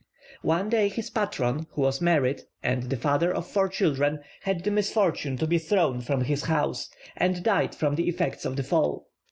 One day his patron, who was married, and the father of four children, had the misfortune to be thrown from his horse, and died from the effects of the fall.